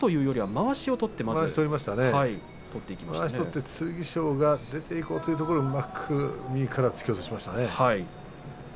まわしを取りました剣翔が出ていこうというところを右から突き落としました。